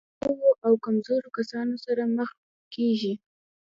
له ناروغو او کمزورو کسانو سره مخ کېږي.